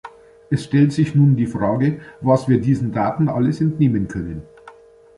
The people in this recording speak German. Es stellt sich nun die Frage, was wir diesen Daten alles entnehmen können.